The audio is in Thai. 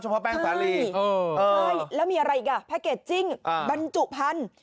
ใช่แล้วมีอะไรอีกแพ็คเกจจิ้งบรรจุพันธุ์